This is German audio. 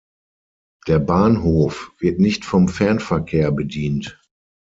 Der Bahnhof wird nicht vom Fernverkehr bedient.